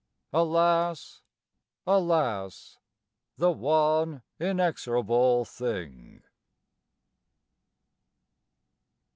(Alas, alas, The one inexorable thing!)